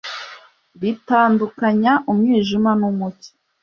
Ritandukanya umwijima numucyo